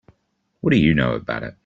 What do you know about it?